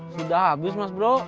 sudah habis mas bro